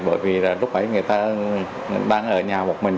bởi vì là lúc ấy người ta đang ở nhà một mình